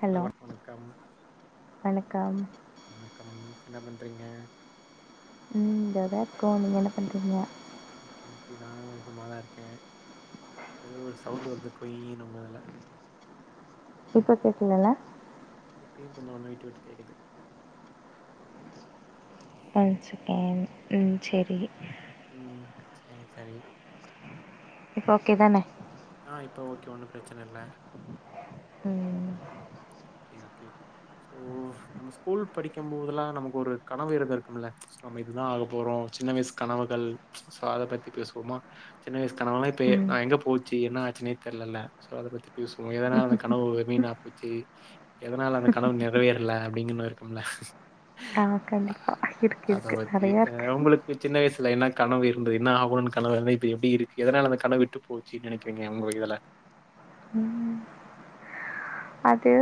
Hello வண வணக்கம் வணக்கம் வணக்கம் என்ன பண்றீங்க ம் நல்லா இருக்கோ நீங்க என்ன பண்றீங்க ஓகே ஓகே நா சும்மாதா இருக்கே எதோ ஒரு சவுண்ட வருது கொய்னு உங்கதுல இப்போ கேட்கலல்ல இப்பயு கொஞ்சோ கொஞ்சோ விட்டு விட்டு கேக்குது ஒன் செகண்ட் ம் செரி ம் சரி சரி இப்போ ஓகே தானே ஆ இப்போ ஓகே ஒன்னு பிரச்சன இல்ல ம் ஓகே ஓகே ம் நம்ம ஸ்கூல் படிக்கு போதுல்லா நமக்கு ஒரு கனவு இருந்துருகுல நம்ம இதுதா ஆக போறோ சின்ன வயசு கனவுகள் சோ அத பத்தி பேசுவோமா சின்ன வயசு கனவெல்லா இப்ப இய ம் எங்க போச்சு என்ன ஆச்சினே தெர்லலா சோ அத பத்தி பேசுவோ ஏதனா அந்த கனவு வீனா போச்சு எதனால அந்த கனவு நிறைவேறல அப்டிங்கன்னு இருக்கும்ல ஆ கண்டிப்பா இருக்கு இருக்கு நெறயா இருக்கு இப்ப சின்ன வயசுல என்ன கனவு இருந்து என்ன ஆகணும்னு கனவு இரு இப்ப எப்டி இருக்கு எதனால அந்த கனவு விட்டு போச்சுன்னு நெனைக்கிறீங்க உங்க இதுல ம் அது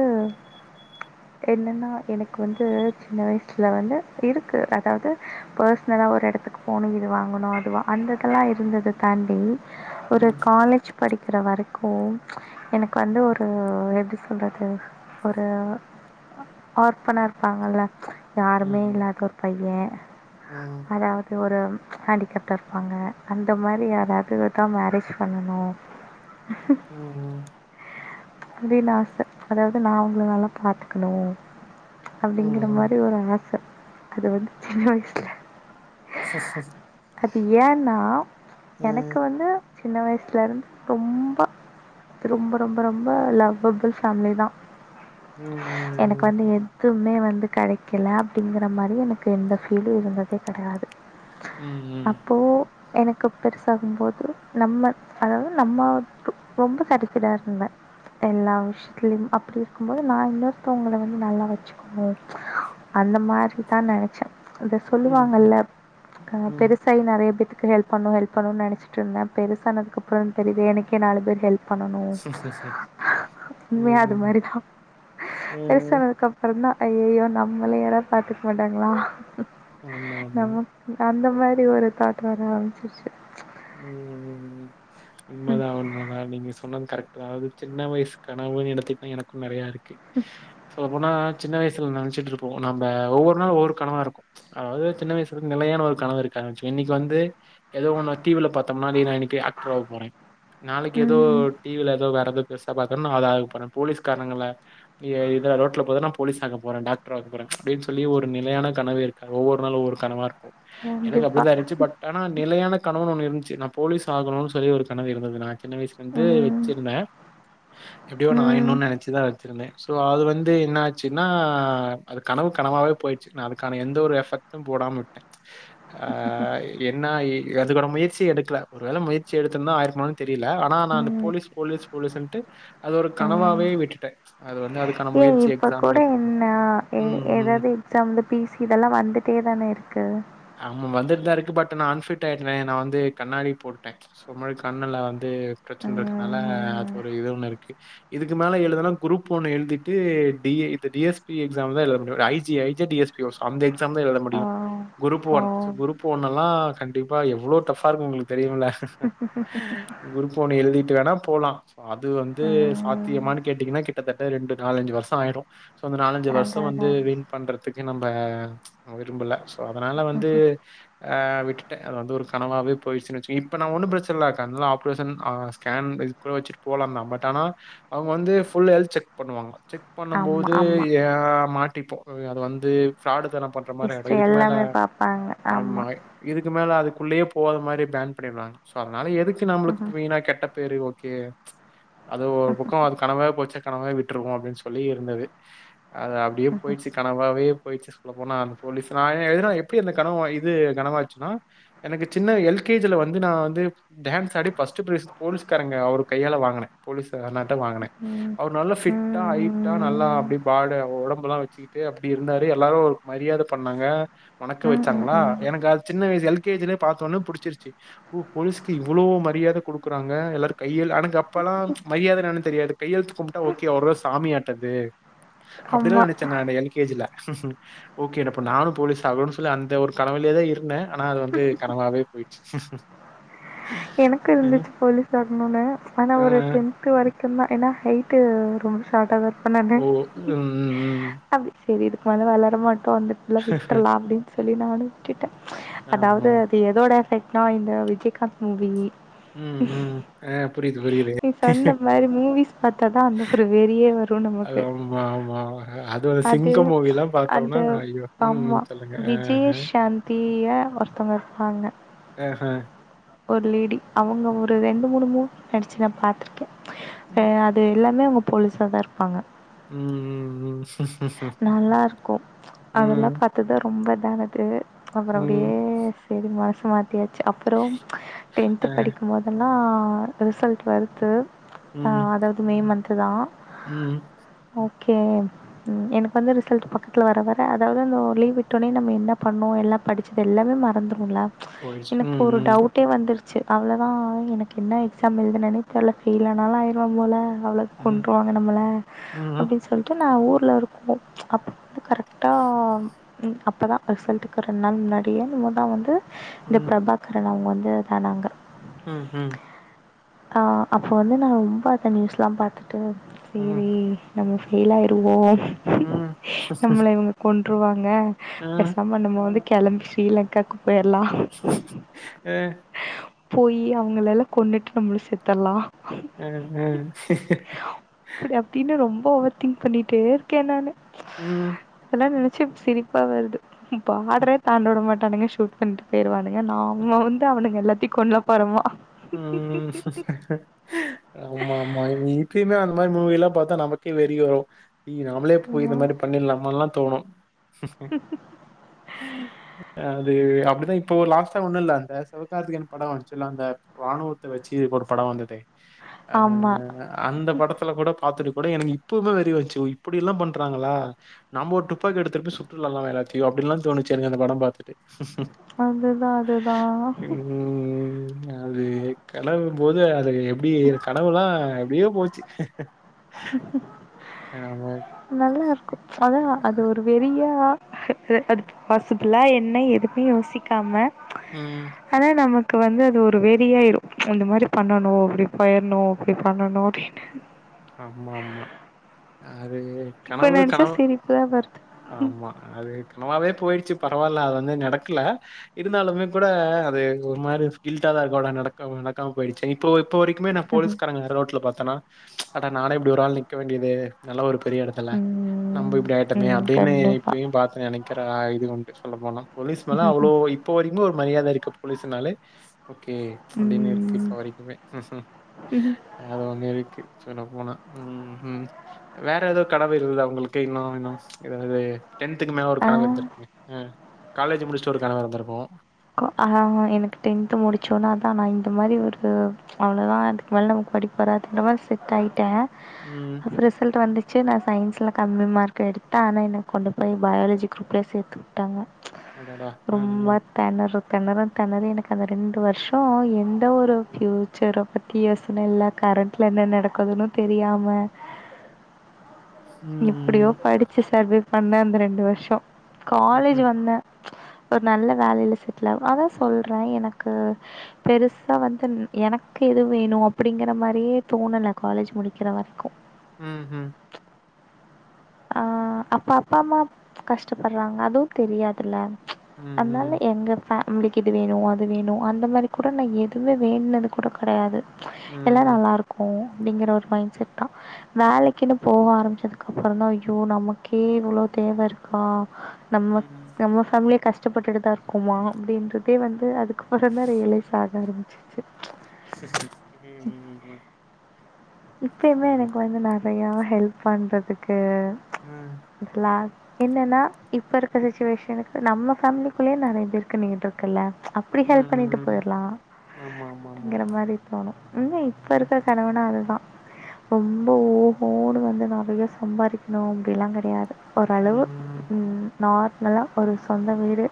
என்னன்னா எனக்கு வந்து சின்ன வயசுல வந்து இருக்கு அதாவது பர்சனலா ஒரு எடத்துக்கு போணு இது வாங்கணு அதுவா அந்த இதெல்லா இருந்தது தாண்டி ஒரு ம் காலேஜ் படிக்கிற வரைக்கு எனக்கு வந்து ஒரு எப்டி சொல்றது ஒரு ஆர்ஃபனா இருப்பாங்கல்ல யாருமே ம் இல்லாத ஒரு பையே ம் அதாவத் து ஒரு ஹேண்டிகெப்டா இருப்பாங்க அந்த மாறி யாரையாவதுதா மேரேஜ் பண்ணணூ ம் ம் அப்டின் ஆச அதாவது நா அவங்கள நல்லா பாத்துக்கணூ ம் அப்டிங்கிற ம் ம் மாறி ஒரு ஆச அது வந்து சின்ன வயசுல சர் சரி அது ஏன்னா அ எனக்கு வந்து சின்ன வயசுல இருந்து ரொம்ப ரொம்ப ரொம்ப ரொம்ப லவ்வபுள் ஃபேம்லிதா ம் எனக்கு வந்து எதுவுமே வந்து கெடைக்கல அப்டிங்கிற மாறி எனக்கு எந்த ஃபீலு இருந்ததே கெடையாது ம் ம் அப்போ எனக்கு பெருசாகும்போது நம்ம அதாவது நம்ம ரொம்ப சேட்டிஸ்ஃபைடா இருந்தே எல்லா விஷயத்துலயும் அப்டி இருக்கும் போது நா இன்னொருத்தவங்கள வந்து நல்லா வச்சிக்கணு அந்த மாறி தா நெனைச்சே இந்த ம் ம் ம் சொல்லுவாங்கல்ல ஆ பெருசு நெறைய பேத்துக்கு ஹெல்ப் பண்ணு ஹெல்ப் பண்ணுன் நெனச்சிட்ருந்தே பெருசானதுக்கப்றோ தெரிது எனக்கே நாலு பேர் ஹெல்ப் பண்ணனூ உண்மையா ம் அது ம் மாறிதா ம் பெருசானதுக்கப் பறோந்தா ஐய்யயோ நம்மள யாராத் பாத்துக்க மாட்டாங்களா ஆமா ஆமா நம்ம அந்த மாறி ஒரு தாட் வர ஆரம்பிச்சிருச்சு ம் ம் ம் உண்மதா உண்மதா நீங்க சொன்னது கரெக் டு அதாவது சின்ன வயசு கனவூன் எடுத்துகிட்னா எனக்கு நெறையா இருக்கு சொல்ல போனா சின்ன வயசுல நெனச்சிட்ருப்போ நம்ப ஒவ்வொரு நாளு ஒவ்வொரு கனவா இருக்கு அதாவது சின்ன வயசுலந் நிலையான ஒரு கனவு இருக்கா இன்னைக்கு வந்து ஏதோ ஒன்ன டி வி ல பாத்தோ மாரி நா இன்னைக்கி ஆக்ட்ராவ போறே நாளைக்கி எதோ டி வி ல எதோ வேறெதோ பெருசா பாத்தன்னா அதாகபோறே போலீஸ்காரங்கள ஏ இதுல ரோட்ல பாத்தனாப் போலீஸ் ஆக போற டாக்டர் ஆக போற அப்டின் சொல்லி ஒரு நிலையான கனவு இருக்காத் ஒவ்வொரு நாளு ஒவ்வொரு கனவாருக் எனக்கு கண்டிப்பா. அப்டிதா இருந்ச்சி பட் ஆனா நிலையான கனவுன் ஒன்னு இருந்துச்சி நா போலீஸ் ஆகணூன் சொல்லி ஒரு கனவு இருந்தது நா சின்ன வயசுலந்து ம். வச்சிருந்தே எப்டியோ நா ம். ஆயின்னூன் நெனச்சிதா வச்சிருந்தே சோ அது வந்து என்னாச்சின்னா அது கனவு கனவாவே போயிச்சி நா அதுக்கான எந்த ஒரு எஃபெக்ட்டு போடாம விட் அ ஆ என்னா இ அதுக்கான முயற்சி எடுக்கல ஒரு வேள முயற்சி எடுத்துருந்தா ஆயிர்ப்பனோ தெரியல ஆனா நானு ம். போலீஸ் போலீஸ் போலீஸுன்ட்டு அது ஒரு கனவாவே விட்டுட்டே ஏ இப்பக் கூட என்ன எ ம், ம். ஏதாது எக்ஸாம் இந்த பீ சி இதெல்லா வந்துட் தே தானே இருக்கு ஆமா வந்துட்தா இருக்கு பட் நா அன்ஃபிட் ஆயிட்டனே நா வந்து கண்ணாடி போட்டுட்டே சோ மாரி கண்ணுல வந்து பிரச்சன இருக்குனால அது ம். ஒரு இது ஒன்னு இருக்கு இதுக்கு மேல எழுதுனா குரூப் ஒன்னு எழுதிட்டு பி ஏ இது டி எஸ் பி எக்ஸாம் தா எழுத முடியு ஐ ஜி ஐ ஜி ஆ டி எஸ் பியோஸ் அந்த எக்ஸாம் தா எழுத ஓ. முடியு குரூப் ஓ. ஒன் ச குரூப் ஒன்னல்லா கண்ட் டிப்பா எவ்வளோ டஃப்பாருக்கு உங்களுக்கு தெரியூல குரூப் ஒன் எழுதிட்டு வேணா போலா அது வந்து ம். சாத்தியமானு கேட்டீங்கனா கிட்டத்தட்ட ரெண்டு நாலஞ்சு வருஷோ ஆயிரு சோ அந்த நாலஞ்சி வருஷோ அதான், வந்து அதான். வீண் பண்றதுக்கு நம்ப விரும்பல சோ அதனால வந்து அ விட் ட்ட அது வந்து ஒரு கனவாவேப் போயிருசுனு வெச்சு இப்ப நா ஒன்னும் பிரச்சனல கண்ல ஆப்ரேஷன் ஆ ஸ்கேன் இதுக்கூட வெச்சுர் போலாந்தா பட் ஆனா அவுங்க வந்து ஃபுல் ஹெல்த் செக் பண்ணுவாங்க செக் ஆமா, பண்ணும்போது ஆமா. யா மாட்டிப்போ அது வந்து ஃப்ராடு தனோம் பண் ற மாரி ஆயிடோ ஹிஸ்ட்ரி இதுக்கு மேல எல்லாமே பார்ப்பாங்க. ஆமா இதுக்கு மேல அதுக்குள்ளயே போவாத மாரி பேன் பண்ணிர்றாங் சோ அதனால எதுக் க்கு நம்ளுக்கு ம்ஹ்ம். வீணாக் கெட்ட பேரு ஓகே அது ஒரு பக்கோ அது கனவாவே போச்சா கனவாவே விட்ருவோ அப்டின் சொல்லி இருந்தது அது அப்டியே ம்ஹ்ம். போயிட்ச்சு கனவாவே போயிட்ச்சு சொல்ல போனா அந்த போலீஸ் நா எ எதுனா எப்டி அந்தக் கனவோ இது கனவாச்சுனா எனக்கு சின்ன எல் கே ஜில வந்து நா வந்து டான்ஸ் ஆடி ஃபர்ஸ்ட்டு ப்ரைஸ் போலீஸ்காரங்க அவுருக் கையால வாங்கனே போலீஸ் அண்ணாட்ட வாங்கனே ம். அவுரு நல்லா ஃபிட்டா ம். ஹைட்டா நல்லா அப்டி பாடு ஒடம்புலா வெச்சி கிட்டு அப்டி இருந்தாரு எல்லாரு ஒரு மரியாத பண்ணாங்க வணக்க ம். ம். வெச்சாங்ளா ம். எனக்கு அது சின்ன வயசு எல் கே ஜி லே பாத்தொன்னே புடிச்சிருச்சி ஒ போலீஸுக்கு இவ்ளோ மரியாத குடுக்குறாங்க எல்லாரு கையில் எனக்கு அப்பலாம் மரியாத எனானு தெரியாதுக் கையெழ்த்து கும்ட்டா ஓகே அவுருதா சாமியாட்டது அப்டிலா ஆமா. நெனச்சே நானு எல் கே ஜில ஓகே ட அப்ப நானும் போலீஸ் ஆகனுன் சொல்லி அந்த ஒரு கனவுலியேதா இருந்தே அனா அது வந் து கனவாவே போயிட்ச்சி எனக்கு இருந்துச்சு போலீஸ் ஆகணுனு ஆனா ஆ. ஒரு டென்த்து வரைக் குந்தா எனா ஹைட்டு ரொம்ப ஷார்ட்டாதா இருப்பே நானு ஓ! ம், ம். அப்டி செரி இதுக்கு மேல வளர மாட்டோ வந்துட்ள்ளா விட்ரலா அப்டின் சொல்லி நானு விட்டுட்டே ஆமா. அதாவ்து அது எதோட எஃபெக்ட்னா இந்த விஜய்காந்த் மூவி ம், ம். ஆ புரியுது, புரியுது. நீ சொன்ன மாரி மூவிஸ் பாத்தாதா அந்த ஒரு வெறியே வரு அது நமக்கு ஆமா, ஆமா. ஒரு அது சிங்கம் மூவிலாம் அந்த பார்த்தோம்னா, ஐயோ! ம், ஆமா ம். சொல்லுங்க. ஆ, ஆ. விஜயசாந்த் தீய ஒருத்தவுங்க இருப்பாங்க அ ஆ ஒரு லேடி அவுங்க ஒரு ரெண்டு மூனு மூவ் நடிச்சி நா பாத்திருக்கே ம், ஆ அ து எல்லாமே அவுங்க போலீஸாதா இருப்பாங்க ம் ம் ம் நல்லா இருக்கு அதெல்லாப் பாத்துதா ரொம்ப இதானது அப்றோ ம். அப்டியே செரி மனசு மாத்தியாச்சு அப்புறோம் டென்த்து ஆ. படிக்கும்மோத் தெல்லா ரிசல்ட் வருது ஆ ம், அதாவுது மே மன்த்துதா ம். ஓகே ம் எனக்கு வந்து ரிசல்ட்டு பக்கத்ல வர வர அதாவுது அந்த ஒரு லீவ் விட்டோனே நம்ம என்னப் பண்ணோ எல்லாப் படிச்சது எல்லாமே மறந்துருல்ல போயிடுச்சு. எனக்கு ம், ஒரு ம். டவுட் டே வந்துருச்சு அவ்ளோதா எனக்கு என்ன எக்ஸாம் எழ்தனனே தெர்ல ஃபெயிலானாலு ஆயிருவம் போல அவ்ளோத் ம், கொண்ருவாங்க நம்மள ம், அப்டின் சொல்ட்டு நா ஊர்ல ஒருக் கோ அப்ப வந்து கரெக்ட்டாம் ம் அப்பதா ரிசல்ட்டுக்கு ஒரு ரெண் நாள் முன்னாடியே என்னுமோதா வந்து இந்த ம். பிரபாக் கரன் அவுங்க வந்து இதானாங்க ம் ம் ஆ அப்ப வந்து நா ரொம்ப அத நியூஸ்லாம் பாத்துட்டு சேரி ம், நம்ம ஃபெயில் ஆயிருவோ ம். நம்ள இவுங்க கொண்ருவாங்க ஆ, பேசாம் இப்ப நம்ம வந்து கெளம்பி ஸ்ரீலங்காக்கு போயிர்லா அ போயி அவங்கள எல்லா கொன்னுட்டு நம்மளும் செத்தரலா அ அ அப்டி அப்டினு ரொம்ப ஓவர் திங்க் பண்ணிட்டே இருக்கே நானு ம். அதெல்லா நெனச்சி சிரிப்பா வருது பாடரே தாண்டவிடமாட்டானுக ஷூட் பண்ணிட்டு பேயிருவானுங்க நாம வந்து அவனுங்க எல்லாத்தை கொள்ளப் போறமா ம் ஆமா ஆமா இப்பயுமே அந்த மாதிரி மூவி எல்லா பாத்தா நமக்கே வெறி வரும் ம் நாம்மளே போய் இந்த ஆமாம் மாதிரி பண்ணிடலாமா தோணும் அ அது அப்படிதான் இப்போ லாஸ்ட்டா ஒண்ணு இல்ல அந்த சிவகார்த்திகேயன் படம் வந்துச்சுல அந்த இராணுவத்த வச்சு ஒரு படம் வந்ததே அ ஆமாம் அந்த படத்துல கூட பாத்துட்டு கூட எனக்கு இப்பவே வெறி வந்துச்சு இப்படி எல்லா பண்றாங்களா நம்ம ஒரு டுப்பாக்கிகு எடுத்துட்டு சுட்டுறாலா எல்லாத்தையும் அப்டின்லா தோணிச்சு அந்த படம் பாத்துட்டு அதுதா அதுதா ம் அது கிளம்பு போது அது எப்படி இருக்கு கனவுலா எப்டியோ போச்சி ஆமா நல்லா இருக்கு அதான் அது ஒரு வெறியா அது வாச இப்லாம் என்ன எதுக்குனு யோசிக்காம ம் ஆனால் நமக்கு வந்து அது ஒரு வெறியா ஆயிரும் இந்த மாதிரி பண்ணணும் அப்படி போயிடணு அப்படி பண்ணணு அப்படின்னு ஆமா ஆமா அது இப்ப கனவு நெனச்சா கனவ சிரிப்பு தான் வருது. ஆமா அது கனவாவே போயிடுச்சு பரவாயில்ல அது வந்து நடக்கல இருந்தாலுமே கூட அது ஒரு மாரி கில்ட்டா தான் இருக்கம் நடக்க போயிச்சே இப்ப இப்போ வரைக்குமே நான் ம்ஹ்ம். போலீ்ஸ்காரங்கள நடு ரோட்ல பாத்தேனா நானே இப்படி ஒரு ஆள் நிற்க வேண்டியது நல்ல ஒரு பெரிய இடத் ல்ல நம்ம ம். இப்படி ஆயிட்டோமே ம். அப்டின்னு கண்டிப்பா. இப்பயும் பார்த்து நினைக்கிற அ இது உண்டு சொல்லப்போனா போலீஸ் மேல அவ்ளோ ம்ஹ்ம். இப்போ வரைக்கு ஒரு மரியாதை இருக்கு போலீஸ்னாலே ஓகே அப்டின்னு இருக்கு இப்ப ம். வரைக்குமே ம். அது ஒண்ணு இருக்கு சொல்ல போனா ம் ம் வேற ஏதோ கனவு இருந்ததா உங்களுக்கு இன்னு இன்னும் ஏதாவது டென்த்துக்கு மேல ஒரு கனவு ஆ. இருந்திருக்குமே காலேஜ் முடிச்சிட்டு ஒரு கனவு இருந்திருக்கும் ஆஹ எனக்கு டென்த்து முடிச்சோனதான் நான் இந்த மாரி ஒரு இது அவ்ளோதா அதுக்கு மேல நமக்கு படிப்பு வராது இந்த மாரி செட் ஆயிட்ட ம் ரிசல்ட் வந்துச்சு நான் சயின்ஸில கம்மி மார்க் எடுத்த ஆனா என்ன கொண்டு போய் பயாலஜி குருப்ல சேத்து ட்டாங்க அடடா! ரொம்ப ம், தணற தணற தணறி எனக்கு அந்த ரெண்டு வருஷம் எந்த ஒரு பியூச்சரோ பத்தி கி யோசன இல்ல கரண்ட்ல என்ன நடக்குதுன்னு தெரியாம ம் எப்டியோ படிச்சு சர்வே பண்ண அந்த ரெண்டு வருஷோ ம், காலேஜ் ம். வந்த ஒரு நல்ல வேலையில செட்டில் ஆவு அதா சொல்றே எனக்கு பெருசா வந்து எனக்கு எது வேணு அப்டிங்கற மாரியே தோணல காலேஜ் முடிக்கிற வரைக்கு ம் ம் ஆ அப்ப அப்பா அம்மா கஷ்டப்படுறாங்க அதுவு தெரியாதுல அதனால ம்ஹ்ம். எங்க ஃபேமிலிக்கு இது வேணும் அது வேணும் அந்த மாரி கூட நான் எதுமே வேண்டுனது கூட கிடையாது ம் எல்லா நல்லா இருக்கும் அப்டிங்கிற ஒரு மைண்ட் செட் தான் வேலைக்குன்னு போக ஆரம்பிச்சதுக்கு அப்புறம் தான் அய்யோ நமக்கே இவ்ளோ தேவ இருக்கா ம். நம்ம ம். நம்ம பேமிலியே கஷ் டப்பட்டுட்டுதா இருக்கோமா அப்டின்றதே வந்து அதுக் அப்றோந்தா ரியலேஸ் ஆக ஆரம்பிச்சிச்சு ம். இப்பயுமே ம். எனக்கு வந்து நெறையா ஹெல்ப் பண்றதுக்கு ம் குட்லாக் என்னன்னா இப்ப இருக்க சிச்சுவேஷனுக்கு நம்ம ஃபேமிலிக்குள்ளயே நெறைய பேருக்கு நீங்க தொக்குல்ல அப்டி ஹெல்ப் பண்ணிட்டு ம். போயிறலா ஆமாமாமா. அப்டிங்கற மாரி தோணு இப்ப ம். இருக்க கனவு னா அது தா ரொம்ப ஓ ஓகோன்னு வந்து நெறைய சம்பாதிக்கணு அப்டிலா கெடையாது ஓரளவு ம். ம் நார்மலா ஒரு சொந்த வீடு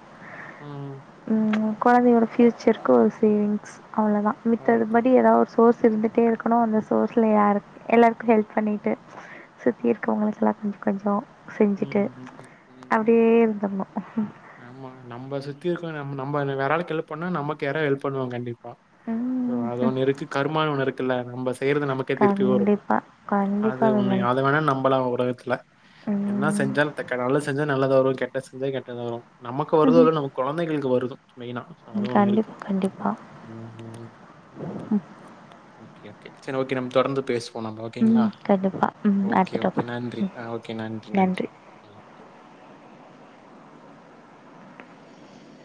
ம். ம் கொழந்தையோட ஃப்யூச்சர்க்கு ஒரு சேவிங்ஸ் அவ்ளோதா மித்ததுபடி அவ்ளோதான். ஏதாவது ஒரு சோர்ஸ் ஸ் இருந்துட்டே இருக்கணு அந்த சோர்ஸ்ல யாருக் எல்லாருக்கு ஹெல்ப் பண்ணிட்டு சுத்தி இருக்கவங்களுக் அதல்லா கொஞ்சோ கொஞ்சோ செஞ்சுட்டு ம். ம். அப்டியே இருந்தணு ஆமா நம்ம சுத்தி இருக்கோ நம்ம நம்ம வேறாலுக்கு ஹெல்ப் பண்ணா நமக்கு யாரா ஹெல்ப் பண்ணுவா கண்டிப் பா அது ம் ஒண்ணு இருக்கு கருமா ஒண்ணு இருக்குல்ல நம்ம செய்யறது நமக் கே திருப்பி வரு கண்டிப்பா அது கண்டிப்பா ஒண்ணு விமல் அத வேணா நம்பலா உலகத்துல என்ன ம் செஞ்சால் ட்ட நல்ல தா செஞ்ச நல்தா வரு கெட்ட செஞ்சா கெட்டதா வரு நமக்கு வருதோ இல்லயோ ம் நமக் கொழந்தைகளுக்கு வருது மெயினா அது ஒண்ணு இருக்கு கண்டிப்பா கண்டிப்பா ம் ஒகே ஒகே சேரி ஓகே நம்ம தொடர்ந்து பேசு வோனா ஓகேங்களா ம் கண்டிப்பா ம் ஓகே அடுத்த ஓகே டாபிக் நன்றி ம் ஓகே நன்றி நன்றி ம்